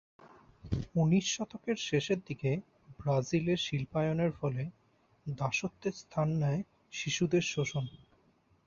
উনিশ শতকের শেষের দিকে, ব্রাজিলে শিল্পায়নের ফলে দাসত্বের স্থান নেয় শিশুদের শোষণ।